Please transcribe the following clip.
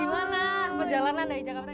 gimana perjalanan dari jakarta